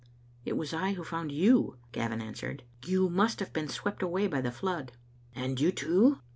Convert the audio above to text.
"It was I who found you," Gavin answered. "You must have been swept away by the flood." " And you too?"